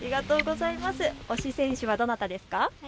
推し選手はどなたですか。